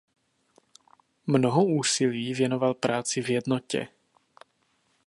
Mnoho úsilí věnoval práci v Jednotě.